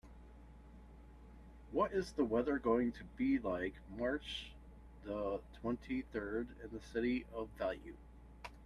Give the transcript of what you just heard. What is th weather going to be like mar. the twenty-third in the city of Value